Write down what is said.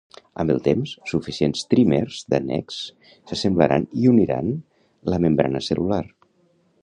Amb el temps, suficients trímers d'annex s'assemblaran i uniran la membrana cel·lular.